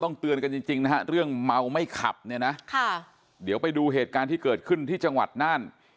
เตือนกันจริงจริงนะฮะเรื่องเมาไม่ขับเนี่ยนะค่ะเดี๋ยวไปดูเหตุการณ์ที่เกิดขึ้นที่จังหวัดน่าน